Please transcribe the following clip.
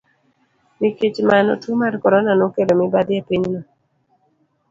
Nikech mano, tuo mar Corona nokelo mibadhi e pinyno.